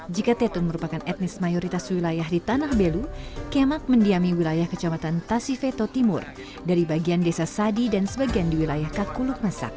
jika tetun merupakan etnis mayoritas wilayah di tanah belu kemak mendiami wilayah kecamatan tasifeto timur dari bagian desa sadi dan sebagian di wilayah kakuluk masak